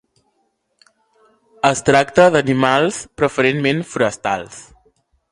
Es tracta d'animals preferentment forestals.